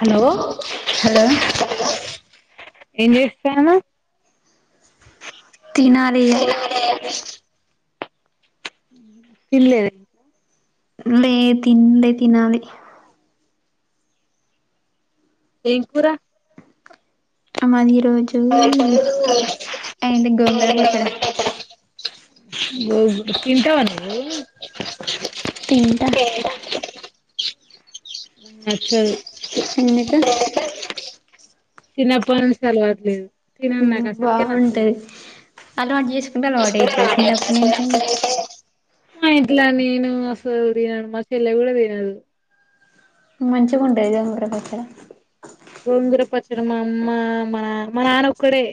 Hello hello ఏం జేస్తాన తినాలిగా తిన్లేది లే తిం తినాలి ఏం కుర మాది ఈరోజూ అయింది గోంగూర పచ్చడ గోగ్ తింటావా నువ్వు తింటా చ ఎందుకు [unintelligible] చిన్నపట్నుంచి అలవాట్లేదు తినన్ నాక్ అసలకే నచ్చద్ బాగుంటది [inaudible] అలవాటు చేసుకుంటే అలవాటు అయితది చిన్నప్పటి నుంచి ఆ ఇట్లా నేను మసూర్య మా చెల్లె కూడా పోయినారు మంచిగ ఉంటదిగద్ మీ ఊరి దగ్గర గోంగుర పచ్చడ మా అమ్మ మా నాన్ మా నాన్న ఒక్కడే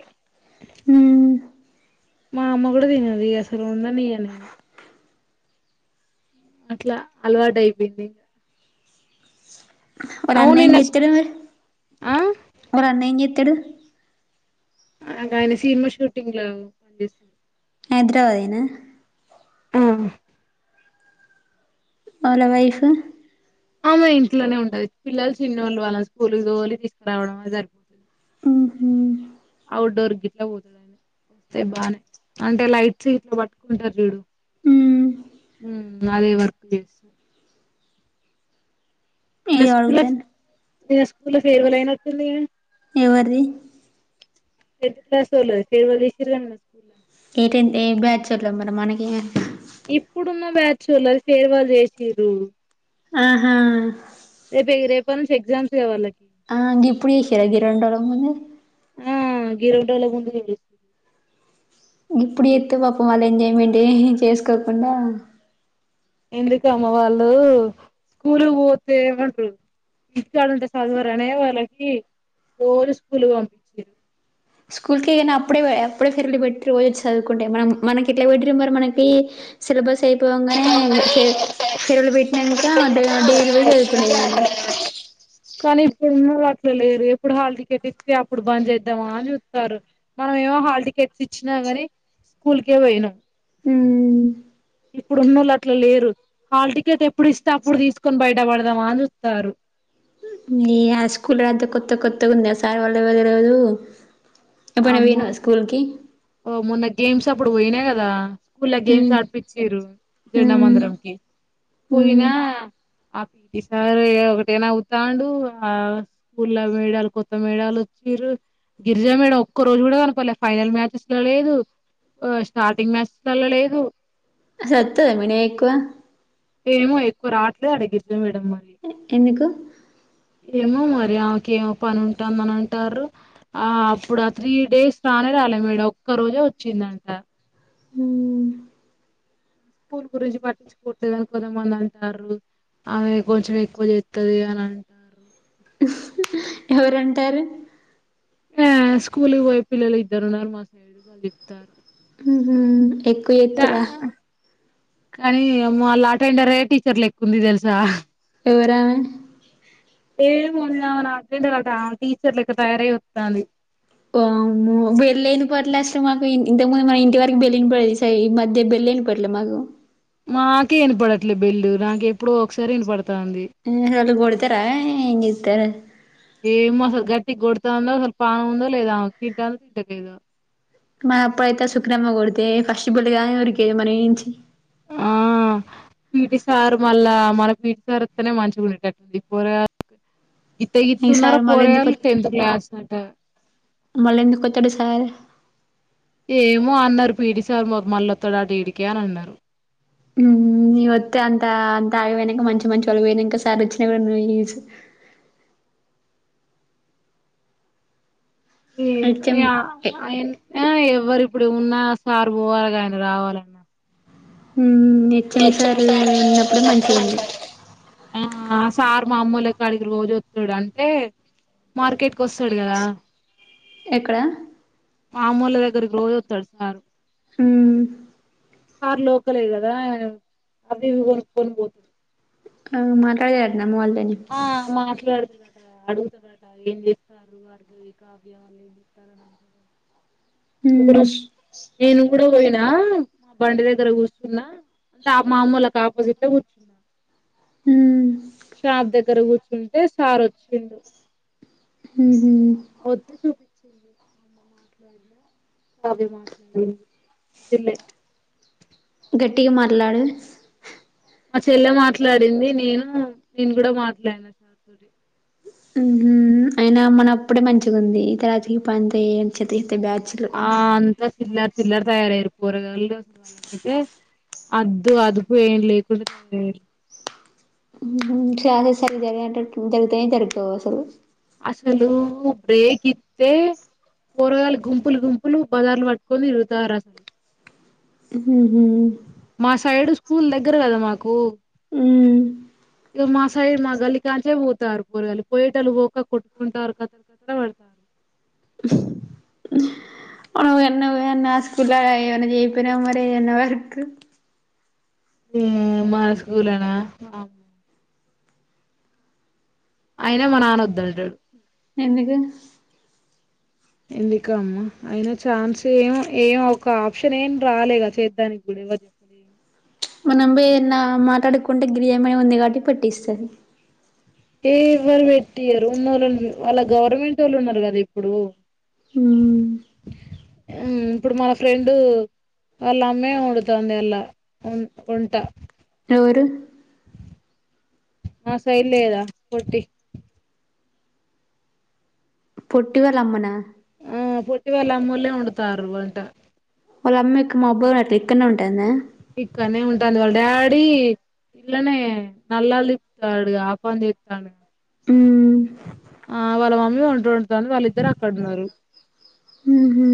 మ్ మా అమ్మ గుడా తినది అసల్ ఉండనీయ అట్ల అల్వాట్ అయిపోయింది. మరి అవును నిన్న అన్నెంచేత్తడు మరి ఆ మరి అన్నెంచేత్తడు ఆయన సినిమా షూటింగ్లో పనిచేస్తడు హైదరాబాదెనా ఆ వాళ్ళ వైఫ్ ఆమె ఇంట్లనే ఉంటది పిల్లల్ చినోళ్ళు వాళ్ళని స్కూల్కి తోలిచ్చి తీస్కురావడమే సరి ఊహూ ఔట్డోర్ గిట్ల పొతదేమో వస్తే బానే అంటే లైట్స్ ఇట్ల పట్టుకుంటర్ చూడు మ్మ్ మ్ అదే వర్క్ బీసీ నిన్న ఏదో స్కూల్ల అడుగుతాను నిన్న స్కూల్ల ఫేర్వల్ అయినట్టుందిగా ఎవర్ది? టెన్త్ క్లాసోల్లది ఫేర్వెల్ చేసింరు కదనే ఏ టెన్త్ ఏ బ్యాచోలో మరి మనకేం ఎర్క ఇప్పుడున్న బ్యాచ్చోలది ఫేర్వల్ చేసింరు. ఆహా. రేపే రేపట్నుంచి ఎగ్జామ్స్ కద వాళ్ళకి ఆ గిప్పుడు చేసింరా గీ రెండురోజుల ముందే ఆ గీ రెండురోజుల ముందు ముందు గిప్పుడు చేత్తే పాపం వాల్ ఎంజాయ్మెంటే చేస్కోకుండా ఎందుకమ్మ వాళ్ళు స్కూల్కి పోతే ఏమంటరు ఇంటికాడ ఉంటే సద్వరనే వాళ్ళకి రోజు స్కూలు పంపించిన్రు. స్కూల్కే గని అప్పుడే అప్పుడే [unintelligible] పోయి చదువుకుంటే మనం మనకెట్లా పెట్టిర మరి మనకి సిలబస్ అయిపొంగనే ఫేర్ ఫేర్వెల్ పెట్టినంక డైలీ పోయి చదువుకునేది మనం కాన్ ఇప్పుడ్ అట్ల లేరు ఎప్పుడు హాల్ టికెట్ ఇస్తే అప్పుడు బంద్ జేద్దామా అని చూత్తాన్. రు మనమేమో హాల్టి కెట్స్ ఇచ్చిన గని స్కూల్కే పోయినం. మ్ ఇప్పుడున్నోళ్ళు అట్లా లేరు హాల్ టికెట్ ఎప్పుడ్ ఇస్తే అప్పుడ్ తీస్కొని బయటపడ్దామా అన్ చూత్తారు. నీ ఆ స్కూలే అంత కొత్త కొత్తగుంది అ సార్ వాళ్ళెవరో తెల్వదు. ఎప్పుడైనా అమ్మో పోయినవా స్కూల్ కి ఒ మొన్న గేమ్స్ అప్పుడు పోయిన కదా స్కూళ్ల గేమ్స్ మ్ ఆడిపిచ్చిరు. మ్ జెండమందరంకి మ్ పోయినా ఆ పిటి సార్ ఇగ ఒకటే నవ్వుతాండు. ఆ స్కూల్ల మేడాలు కొత్త మేడాలొచ్చి లు గిరిజా మేడం ఒ ఒక్క రోజు గుడా కనపడ్లే ఫైనల్ మ్యాచెస్లో లేదు. ఆ స్టార్టింగ్ మ్యాచెస్లల్ల లేదు. అసల్ అత్తదా మినా ఎక్కువ ఏమో ఎక్కువ రావట్లేదట గిరిజ మే ఎ ఎందుకు? ఏమో మరి ఆమె కేమో పనుంటాన్ దన్ అంటాన్రు. ఆ అప్పుడ త్రీ డేస్ రానే రాలే మేడం ఒక్క రోజే వచ్చిందంట. హ్మ్ స్కూల్ గురించి పట్టించుకుంటలేద్ అని కొంతమంది అంటాంరు. ఆమె కొంచెం ఎక్కువ చేత్తది అన్ అంటాంరు. ఎవరంటారు. ఆ స్కూల్కి పోయే పిల్లలు ఇద్దరు ఉన్నారు మా సైడు వాళ్ళు చెప్తాంరు. మ్ హ్ ఎక్కు చెత్తురా కానీ మళ్ళా అటెండర్ అయ్యే టీచర్లెక్క ఉంది తెలుసా ఎవరామే ఏమో మొన్న అటెండర్ టీచర్ లెక్క తయారయ్యి వస్తుంది అమ్మో బెల్లె ఇనపడేడట్లే అసలు మాకు ఇంతకుముందు మా ఇంటివరకు బెల్ వినపడేది తెల్సా ఈ మధ్యబెల్ లేని పెళ్ళాం అగో మాకే ఇన్పడట్లే బెల్లు నాకే ఎప్పుడో ఒకసారి ఇన్పడత్ ఎనిమిది సార్లు కొడ్తరా ఎంజేత్తర ఏమో అసల్ గట్టికొడ్తాందో అసల్ పాము ఉందో లేదా ఆమెక్ తింటాందో తింటలేదో మా అప్పుడైతే సుకనమ్మ కొడితే ఫస్ట్ బుల్లిగాని ఉరికేది మన నుంచి [unintelligible] పీటి సార్ మళ్ళా మన పీటి సార్తోనే వస్తేనే మంచిగా ఉండేది [unintelligible] గీత గిత్త ఈ ఉన్నారు సార్ మళ్ళీ పోరగాళ్లు టెన్త్ క్లాస్ అట మళ్ళంద ఓటడు సార్ ఏమో అన్నారు పీడిసార్ మళ్ళఓటదాంట ఇడికే అని అన్నారు హ్మ్ హ్మ్ నేను వత్తే అంత అంత ఆగిపోయినాక మంచి మంచి వాలు పోయినాంక సారి [unintelligible] హెచ్ఎం [unintelligible] ఎవరు ఇప్పుడు ఉన్నా సార్ పోవాలే గదా ఆయన రావాలన హ్మ్ హెచ్ఎం సార్ ఉన్నప్పుడే మంచిగా ఉండే మా అమ్మ వొళ్లకడిగి రోజు వత్తడు అంటే మార్కెట్ కి వస్తాడు కదా ఎక్కడ మామూలా దగ్గరికి రోజస్తాడు సారు హ్మ్ సార్ లోకలే కదా అవి ఇవి కొనుక్కని పో కాల్ మల్తదానటన అమ్మ వాళ్ ఆ మాట్లాదిండి అడుగుతారట ఏం చెస్తారు [inaudible] మ్మ్ ఒకరోజు నేను కూడ పోయినా మా బండి దగ్గర కూర్చున్నా అంటే మామూలకు ఆపోజిట్ లో కూర్చుచునం హ్మ్ సార్ దగ్గర కూర్చుంటే సార్ వచ్చిండు మ్హూ వద్దు చూ [unintelligible] గేట్టిగ మాట్లాడు మా చెల్లె మాట్లాడింది నేను నేను కూడ మాట్లాడిన సార్ తోటి హ్మ్ అయినా మన అప్పుడే మంచిగా ఉంది ఈ తరాత్రకి పంతే మంచిది తే బ్యాచులు చిల్లర్ చిల్లర్ తయారుయినారు పోరగాళ్లు [unintelligible] అద్దు అదుపు ఎం లేకుండా హ్మ్ చాలా సార్లు [unintelligible] జరుగుతాయి జరుగవో అసలు అసలు బ్రేక్ ఇత్తే పోరగాళ్లు గుంపులు గుంపులు బజార్లు పట్టుకొని తిరుగుతారు అసలు ఉహ్మ్ మా సైడు స్కూల్ దగ్గర కదా మాకు హ్మ్ ఈగ మా సైడ్ మా గల్లీ కాంచే పోతారు పోరగాళ్లు పోయేటలు పోక కొట్టుకుంటారు [unintelligible] ఆ అన్నది అన్న మస్తు బడాయి ఎమ్మానా చేయకపోయినావ మరి అన్న వర్క్ హ్మ్ మా స్కూల్ అన అయిన మా నాన్న వద్దంటాడు ఎందుకు ఎందుక అమ్మ అయిన ఛాన్స్ ఏమో ఏమో ఒక ఆప్షన్ ఏం రాలేగా చేయటానికి కూడా ఎవరు చెప్పలే మనంబీర్ణ మాట్లాడుకుంటే గిరామేయినా ఉంది కాబట్టి పెటిస్సది. ఏ ఎవరు పెట్టియరు ఉన్నోళ్ళు ఉన్ వాళ్ళ గవర్మెంట్ వాళ్ళు ఉన్నరు గదా ఇప్పుడు మ్మ్ హ్మ్ ఇప్పుడు మ ఫ్రెండు వాళ్ళ అమ్మే వండుతాంది ఎల్ల వన్ వంట పేరు మా సైడ్ లెదా పోటి పొట్టి వాళ్ళమ్మనా ఇవాళ అమ్మోల్లే వండుతారు వంట వాళ్ళ అమ్మేకు మా మబ్బులట ఇక్కడ్నే ఉంటుందా ఇక్కనే ఉంటాంది వాళ్ళ డాడీ ఇల్లనే నల్లాలు ఇప్తాడుగా ఆపాంది తిప్తాండుగ ఉమ్ మమ్మీ వంట వండుతుంది వాళ్ళిద్దరు అక్కడ ఉన్నారు ఉహు,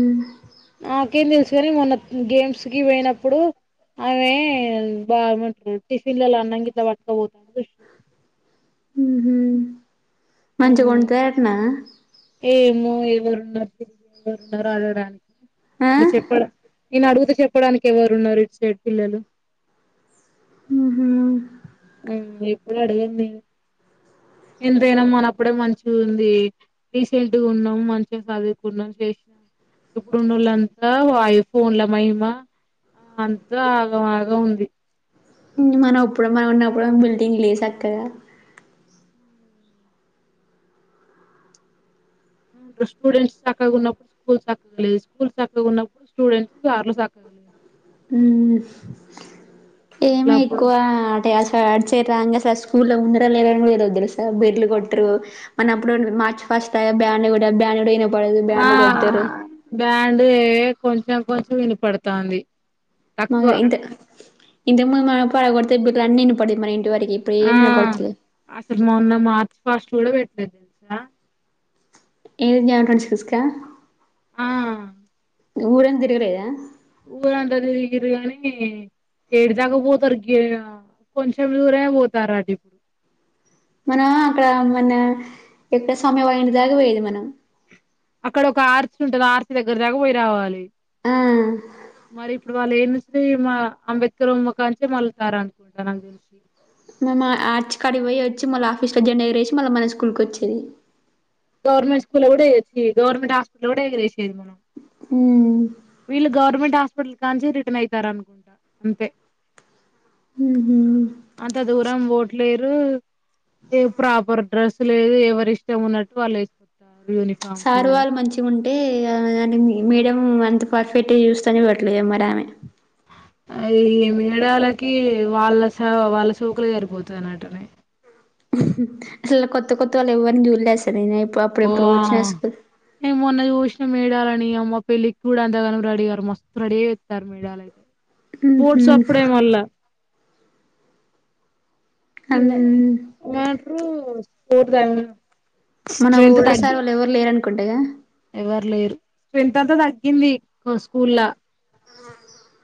నాకేం తెలుసు గని మొన్న గేమ్స్ కి పోయినప్పుడు ఆమె ఎ బా ఎమంటరు టిఫిన్లల అన్నం గిట్లా పట్కపోతాన్ ఉష్ చూసిన మంచిగుంటద ఎట్నా ఏమో ఎవరు ఉన్నరు ఎవరున్నారు ఆడడానికి ఆ? అన్ చెప్పడం నేను అడుగుతే చెప్పడానికి ఎవరున్నారు ఇట్ సైడ్ పిల్లలు ఉహు ఉ ఎప్పుడు అడిగింది ఎంతైనా మన అప్పుడే మంచిగుంది డిసెంట్గున్నాం. మంచిగా చదువుకున్నం. చేసి ఇప్పుడున్నోల్లంతా వాయి ఫోన్ల మహిమా అంత ఆగం మాగం ఉంది మన అప్పుడు మనం ఉన్నప్పుడు బిల్టింగ్ లేసాకద స్టూడెంట్స్ సక్కగ ఉన్నప్పుడు స్కూల్ సక్కగలేదు. స్కూల్ సక్కగ ఉన్నప్పుడు స్టూడెంట్స్, సార్లు సక్కగలేరు. అసలు ఏమె అప్పుడు ఎక్కువా [unintelligible] స్కూలో ఉన్నరా లేరా అని ఎదో ఒకటి తెలుస బెడ్లు గొట్టురు మన అప్పుడ్ మ్ మార్చ్ ఫస్ట్ అయ్ బ్యాండు గూడా బ్యాండ్ డు యినపడదు బ్యాండ్ కొట్టరు అండే కొంచెం కొంచెం వినిపడతాంది మ ఇన్తక్ ఇంతకు ముందు [unintelligible] రన్ ఇనపడింది మన ఇంటి వరక్ ఆ అసలు మొన్న మార్చ్ ఫాస్ట్ గూడా పెట్లేదు తెలుసా ఎం జాన్ ట్వంటీ సిక్స్ కా ఆ ఊరని దిరుగలేదా ఊరంత దిరిగిరు గానీ ఏడి దాకా పోతారు గిడ అ కొంచెం దూరమే పోతార్రట ఇప్పుడు మనా అక్కడ మన ఎక్క సౌమ్య వాళ్ళింటి దాగ పోయేది మనం అక్కడ ఒక ఆర్త్ ఉంటది అ ఆర్తి దగ్గర దాకా పోయి రావాలి ఆ మరిఇప్పుడు వాళ్లేన్ శ్రీ మా అంబేద్కర్ మోకాంచే మళ్లుతారు అనుకుంటా నాకు తెలిసి మ మా ఆర్చ్ కాడి పోయి వచ్చి మళ్ళ ఆఫీస్ లో జెండా ఎగరేసి, మళ్ళీ మన స్కూల్కి ఒచ్చేది. గవర్నమెంట్ స్కూలో గుడ ఎయెచి గవర్నమెట్ హస్పిటల్ లొ కూడ ఎగిరేసినాం మనం ఉమ్ వీళ్ళు గవర్నమెంట్ హాస్పిటల్ కాంచి రిటర్న్ అయితారనుకుంటా అంతే హ్మ్ అంత దూరం వొట్ల్ లేరు ఏ ప్రాపర్ డ్రెస్ లేదు. ఎవరి ఇష్టం ఉన్నట్టు వాళ్ళు ఏసుకొచ్చారు సారు వాళ్ళు మంచిగుంటే అ దని మ్ మె దెం అంత పర్ఫెక్ట్ జూస్తనే వెట్లా ఏమ్మరి ఆమె అ యి మేడాలకి వాళ్ళ స వాళ్ళ సోకులె సరిపోతున్నటునయ్ అసల్ కొత్త కొత్తోల్ ఎవ్వర్ని జూల్లే అస్ పో ఏమో చూష్ మెడాలని అమ్మ పెళ్లిక్ కూడా అందగనం రెడిగారు మస్తూ రెడీ అయి ఒత్తారు మేడాలు అయితె ఉహు పుట్స్ అప్పుడె వల్ల అన్ [unintelligible] వాట్రూ స్పోట్ తాగమను మన ఓల్డ్ సారొళ్ళు ఎవరు లేరనుకుంటగ ఎవర్ లేరు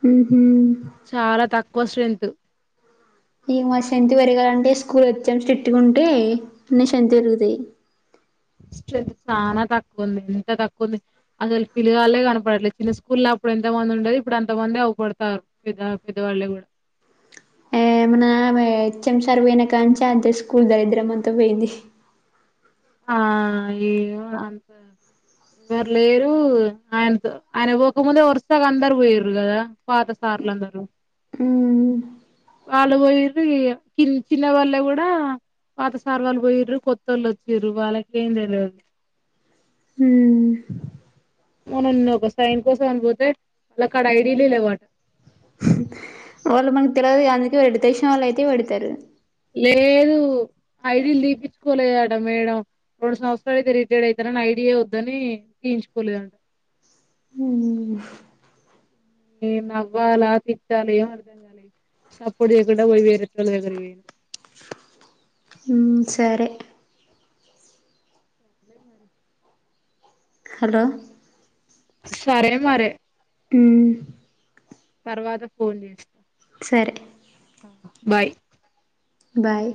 హ్మ్ చాలా తక్కువ స్ట్రెంత్ ఈ మ స్ట్రెంత్ పెరగాలంటే స్కూల్ హెచ్ ఎమ్ స్ట్రిక్ట్ గుంటె [unintelligible] ఎరుగుతయ్ [inaudible] చానా తక్కువుంది ఎంత తక్కువ ఉంది అసలు పిలుగాల్లే కనపడట్లే చిన్న స్కూల్లో అప్పుడు ఎంత మ ఉండేది ఇప్పుడు అంత మంది అవ్పడతారు పెద్ద పెద్దబళ్ళే గూడ ఏమునామె ఆ హెచ్ ఎమ్ సార్ పోయినకాంచి అంత స్కూల్ దరిద్రమంత పెయింది. ఆ ఏమో అంతా వర్ లేరు ఆయన్తో ఆయన బోకముందే వరుసగా అందరు పొయ్యిరు కదా పాత కార్లందరు హ్మ్ వాళ్ళు బొయిర్రు ఈ కిన్ చిన్నవాళ్ళు గూడా పాత సార్ వాళ్ బొయిర్రు కొత్తోళ్ళు ఒచ్చిర్రు వాళ్ళకేం తెల్వది హ్మ్ మొన్న ను ఒక సైన్ కోసం అని పోతె వాళ్ళకాడ ఐడిలే లేవ వాళ్ళు మనకి తెల్వద్ అందుకే పెడితె తెలిసిన వాళ్ళయితే వెడ్తారు ఐడి తీపిచ్చుకొలేదట మేడం రెండు సంవత్సరాలు అయితే రిటైర్డ్ అయితనని ఐడి యే వొద్దని తీయించుకొలే హ్మ్ ఏ నవ్వాల తిట్టాల ఏం అర్థంగాలే సప్పుడుజేకుండా పోయి వేరేటోళ్ళదగ్గరకి పొయిన హ్మ్ సరే హలో సరే మరె హ్మ్ తర్వాత ఫోన్ జేస్ సరే బాయ్ బాయ్